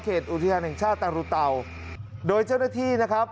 อุทยานแห่งชาติตารุเตาโดยเจ้าหน้าที่นะครับ